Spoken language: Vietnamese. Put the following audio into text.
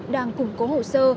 đang củng cố hồ sơ